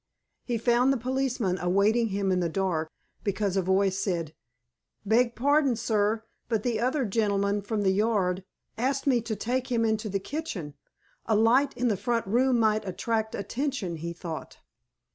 He found the policeman awaiting him in the dark, because a voice said: "Beg pardon, sir, but the other gentleman from the 'Yard' asked me to take him into the kitchen. A light in the front room might attract attention, he thought."